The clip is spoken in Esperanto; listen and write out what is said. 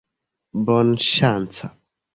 bonŝanca